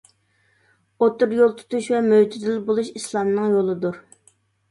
ئوتتۇرا يول تۇتۇش ۋە مۆتىدىل بولۇش ئىسلامنىڭ يولىدۇر.